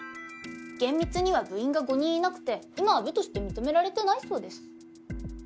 厳密には部員が５人いなくて今は部として認められてないそうです。